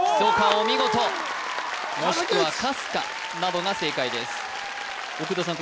お見事もしくはかすかなどが正解です奥田さん